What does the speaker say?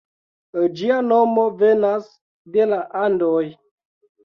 Ĝia nomo venas de la Andoj.